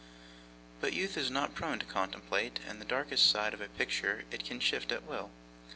But youth is not prone to contemplate the darkest side of a picture it can shift at will.